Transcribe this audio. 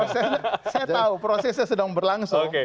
saya tahu prosesnya sedang berlangsung